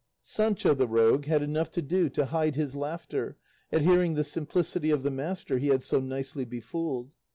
Sancho, the rogue, had enough to do to hide his laughter, at hearing the simplicity of the master he had so nicely befooled.